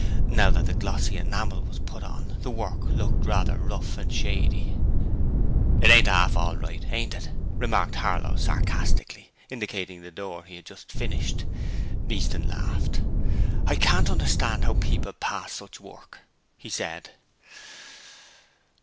Now that the glossy enamel was put on, the work looked rather rough and shady. 'It ain't 'arf all right, ain't it?' remarked Harlow, sarcastically, indicating the door he had just finished. Easton laughed: 'I can't understand how people pass such work,' he said.